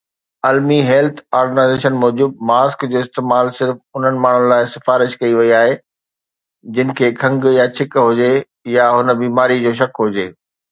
المي health organization موجب، mask جو استعمال صرف انهن ماڻهن لاءِ سفارش ڪئي وئي آهي جن کي کنگهه يا ڇڪ هجي يا هن بيماريءَ جو شڪ هجي.